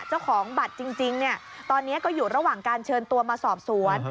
เจ้าของบัตรจริงตอนนี้ก็อยู่ระหว่างการเชิญตัวมาสอบสวน